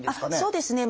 そうですね。